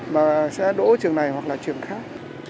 mà sẽ đổ trường này hoặc là trường khác